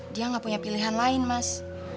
dia nggak punya pilihan lain mas